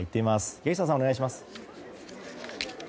柳下さん、お願いします。